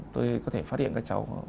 tôi có thể phát hiện các cháu